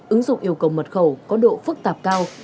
ứng dụng yêu cầu mật khẩu có độ phức tạp cao